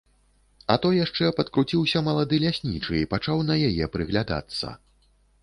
А то яшчэ падкруціўся малады ляснічы і пачаў на яе прыглядацца.